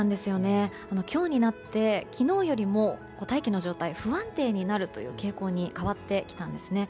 今日になって昨日よりも大気の状態が不安定になるという傾向に変わってきたんですね。